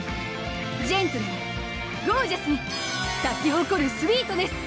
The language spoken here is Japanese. ジェントルにゴージャスに咲き誇るスウィートネス！